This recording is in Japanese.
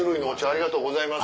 ありがとうございます。